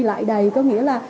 lại đầy có nghĩa là